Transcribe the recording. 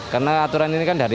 karena aturan ini kan dari